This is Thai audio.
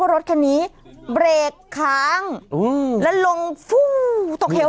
โอ้โฮ